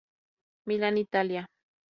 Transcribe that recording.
Milán, Italia.